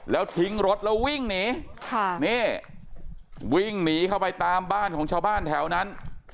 แล้วทิ้งรถแล้ววิ่งหนีค่ะนี่วิ่งหนีเข้าไปตามบ้านของชาวบ้านแถวนั้น